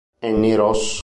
Annie Ross